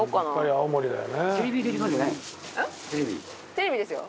和田：テレビですよ。